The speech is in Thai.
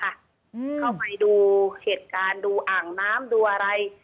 เข้าไปดูเหตุการณ์ดูอ่างน้ำดูอะไร